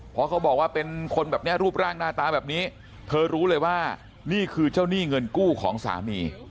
เพราะเขาบอกว่าเป็นคนแบบนี้รูปร่างหน้าตาแบบนี้เธอรู้เลยว่านี่คือเจ้าหนี้เงินกู้ของสามี